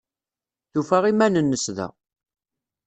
Tufa iman-nnes da.